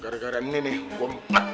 gara gara ini nih gue empat